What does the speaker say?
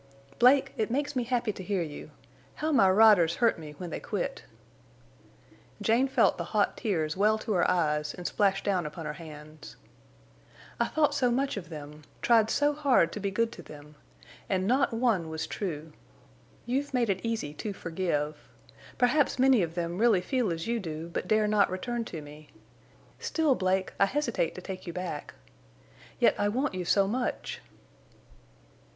"Blake, it makes me happy to hear you. How my riders hurt me when they quit!" Jane felt the hot tears well to her eyes and splash down upon her hands. "I thought so much of them—tried so hard to be good to them. And not one was true. You've made it easy to forgive. Perhaps many of them really feel as you do, but dare not return to me. Still, Blake, I hesitate to take you back. Yet I want you so much."